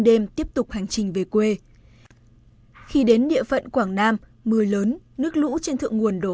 đêm tiếp tục hành trình về quê khi đến địa phận quảng nam mưa lớn nước lũ trên thượng nguồn đổ